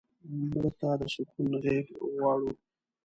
مړه ته د سکون غېږ غواړو